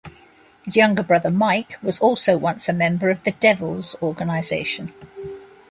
His younger brother Mike was also once a member of the Devils organization.